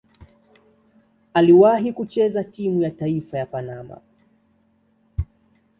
Aliwahi kucheza timu ya taifa ya Panama.